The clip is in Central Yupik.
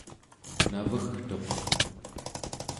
navegtuq